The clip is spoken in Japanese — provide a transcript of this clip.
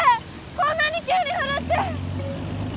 こんなに急に降るって。